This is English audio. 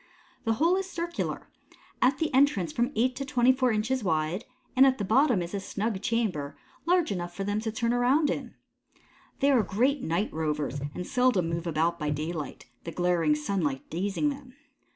The hole is circular, at the entrance from eight to twenty four inches wide, and at the bottom is a snug chamber large enough for them to turn around in. They are great night rovers and seldom move about by daylight, the glaring sunlight dazing them.